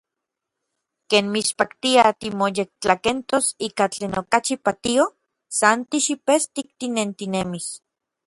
Ken mitspaktia timoyektlakentos ika tlen okachi patio, san tixipestik tinentinemis.